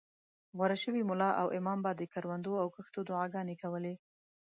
غوره شوي ملا او امام به د کروندو او کښتو دعاګانې کولې.